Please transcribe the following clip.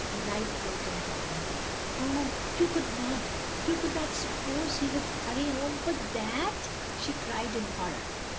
A light broke in upon her. "Oh — you could not — ^you could not suppose he would — hurry home — ^for thatr* she cried in horror.